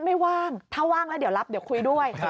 ไม่ว่างถ้าว่างแล้วเดี๋ยวรับเดี๋ยวคุยด้วย